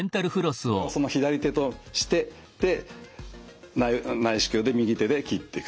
これをその左手として内視鏡で右手で切っていくと。